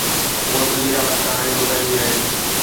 هوءَ سڄي رات ڪهاڻي ٻڌائيندي رهي